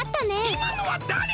いまのはだれ？